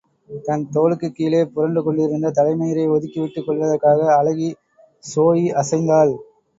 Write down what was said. தன் தோளுக்குக் கீழே புரண்டு கொண்டிருந்த தலை மயிரை ஒதுக்கிவிட்டுக் கொள்வதற்காக அழகி ஸோயி அசைந்தாள்.